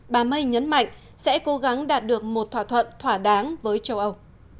bà may nhấn mạnh sẽ cố gắng đạt được một thỏa thuận thỏa đáng với châu âu